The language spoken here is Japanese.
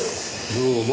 どうも。